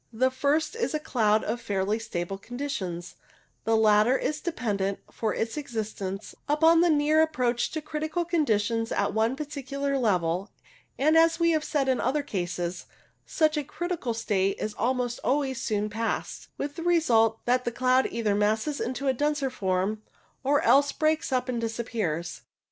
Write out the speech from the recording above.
The first is a cloud of fairly stable conditions, the latter is dependent for its existence upon the near approach 4 (0 D 3 O < s CO D H < a: H (0 1 a, $■:^< tr H to z o s 5 o o ROLL CLOUD 79 to critical conditions at one particular level, and, as we have said in other cases, such a critical state is almost always soon passed, with the result that the cloud either masses into a denser form, or else breaks up and disappears.